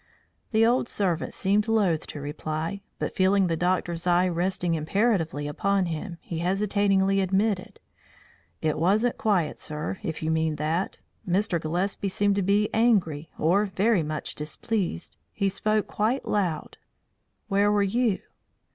The old servant seemed loath to reply, but feeling the doctor's eye resting imperatively upon him, he hesitatingly admitted: "It wasn't quiet, sir, if you mean that. Mr. Gillespie seemed to be angry or very much displeased. He spoke quite loud." "Where were you?"